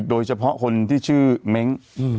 โดยเฉพาะคนที่ชื่อเม้ง